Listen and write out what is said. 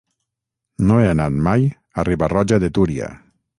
No he anat mai a Riba-roja de Túria.